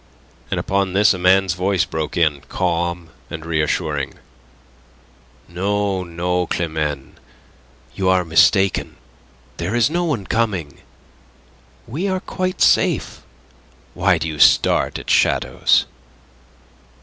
And upon this a man's voice broke in, calm and reassuring: "No, no, Climene; you are mistaken. There is no one coming. We are quite safe. Why do you start at shadows?"